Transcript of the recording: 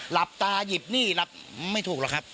หลับตาหยิบหนี้หลับไม่ถูกหรอกครับ